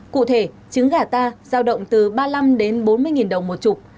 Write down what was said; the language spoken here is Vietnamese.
cụ thể trứng gà ta giao động từ ba mươi năm đến bốn mươi đồng một chục